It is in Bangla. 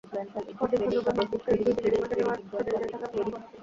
পরদিন খন্দকার মাহবুবকে দুই দিনের রিমান্ডে নেওয়ার আদেশ দেন ঢাকার মহানগর হাকিম।